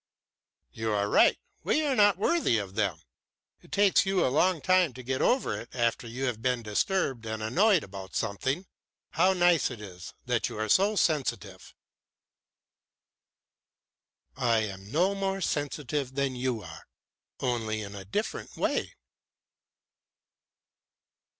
"You are right, we are not yet worthy of them. It takes you a long time to get over it after you have been disturbed and annoyed about something. How nice it is that you are so sensitive!" "I am no more sensitive than you are only in a different way."